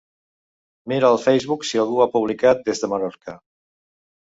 Mira al Facebook si algú ha publicat des de Menorca.